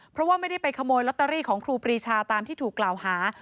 เพราะว่าไม่ได้ไปขโมยลอตเตอรี่ของครูปรีชาตามที่ถูกกล่าวหา